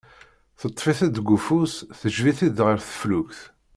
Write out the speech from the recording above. Teṭṭef-it-id deg ufus, tejbed-it ɣer teflukt.